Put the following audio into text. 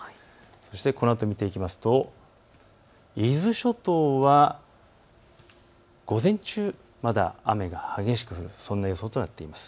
そしてこのあとを見ていくと伊豆諸島は午前中、まだ雨が激しく降る予想となっています。